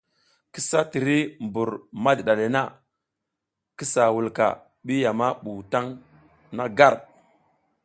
Kisa tiri mbur madiɗa le na, kisa wulka ɓi ya mi ɓuw taƞ na gar.